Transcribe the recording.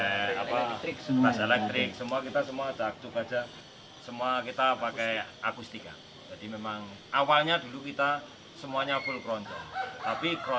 ini keroncong yang kita mainkan ala ala anak muda